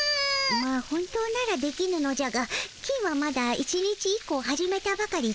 まあ本当ならできぬのじゃが金はまだ１日１個を始めたばかりじゃからの。